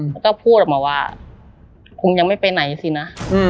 เขาก็พูดออกมาว่าคงยังไม่ไปไหนสินะ